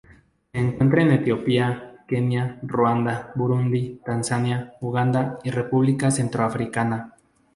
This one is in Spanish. Se encuentra en Etiopía, Kenia, Ruanda, Burundi, Tanzania, Uganda y República Centroafricana.